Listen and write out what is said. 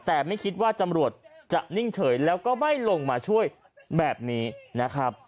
แต่ไม่คิดว่าตำรวจจะนิ่งเฉยแล้วก็ไม่ลงมาช่วยแบบนี้นะครับ